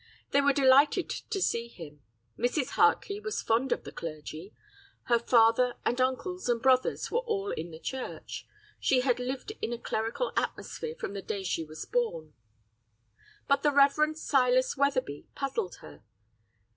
"They were delighted to see him; Mrs. Hartley was fond of the clergy; her father and uncles and brothers were all in the Church; she had lived in a clerical atmosphere from the day she was born. "But the Rev. Silas Wetherby puzzled her.